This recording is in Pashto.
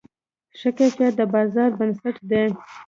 ښه کیفیت د بازار بنسټ دی.